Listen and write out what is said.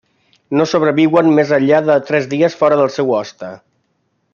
No sobreviuen més enllà de tres dies fora del seu hoste.